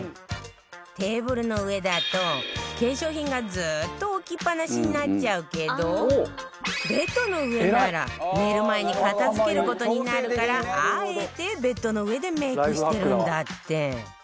テーブルの上だと化粧品がずっと置きっぱなしになっちゃうけどベッドの上なら寝る前に片付ける事になるからあえてベッドの上でメイクしてるんだって